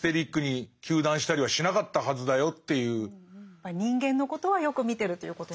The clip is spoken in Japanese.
やっぱり人間のことはよく見てるということなんでしょうかね。